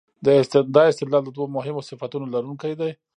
دا استدلال د دوو مهمو صفتونو لرونکی دی.